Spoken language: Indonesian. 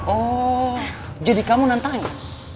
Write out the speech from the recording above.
oh jadi kamu nantain